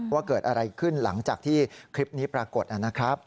ว่าเกิดอะไรขึ้นหลังจากที่คลิปนี้ปรากฏนะครับ